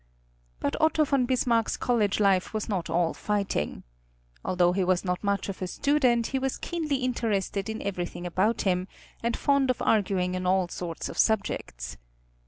But Otto von Bismarck's college life was not all fighting. Although he was not much of a student, he was keenly interested in everything about him, and fond of arguing on all sorts of subjects.